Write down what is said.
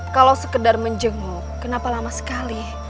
kalau sekedar menjenguk kenapa lama sekali